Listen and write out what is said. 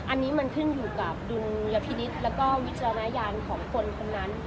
อันนี้มันขึ้นอยู่กับดุลยพินิษฐ์แล้วก็วิจารณญาณของคนคนนั้น